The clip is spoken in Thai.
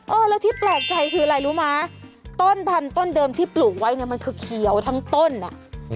เออแล้วที่แปลกใจคืออะไรรู้ไหมต้นพันต้นเดิมที่ปลูกไว้เนี่ยมันคือเขียวทั้งต้นอ่ะ